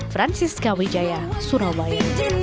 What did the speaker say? francisca wijaya surabaya